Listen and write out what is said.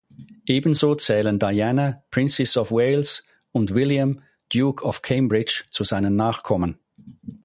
Ebenso zählen Diana, Princess of Wales und William, Duke of Cambridge zu seinen Nachkommen.